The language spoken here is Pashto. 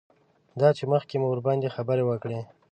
دا چې مخکې مو ورباندې خبرې وکړې.